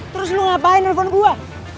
terus lu ngapain nelfon gua